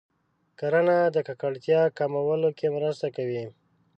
کرنه د ککړتیا کمولو کې مرسته کوي.